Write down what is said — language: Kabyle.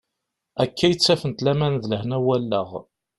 Akka i ttafent laman d lehna n wallaɣ.